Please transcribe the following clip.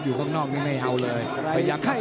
อยู่ข้างนอกนึงไม่เอาเลยพยายามกระซ่อ